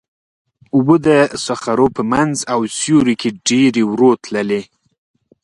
اوبه د صخرو په منځ او سیوري کې ډېرې ورو تللې.